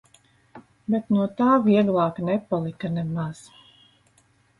Bet no tā vieglāk nepalika nemaz.